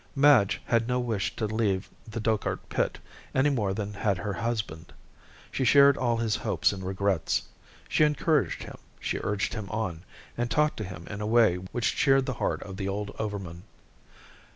Madge had no wish to leave the Dochart pit any more than had her husband. She shared all his hopes and regrets. She encouraged him, she urged him on, and talked to him in a way which cheered the heart of the old overman.